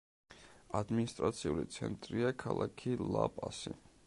ადმინისტრაციული ცენტრია ქალაქი ლა-პასი.